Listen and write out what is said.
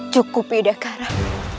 cukup ida karam